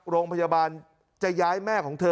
โรงพยาบาลจะย้ายแม่ของเธอ